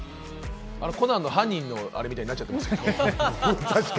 『コナン』の犯人のアレみたいになっちゃってます。